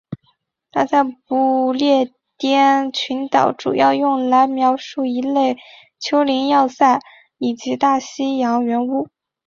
它在不列颠群岛主要用来描述一类丘陵要塞以及大西洋圆屋。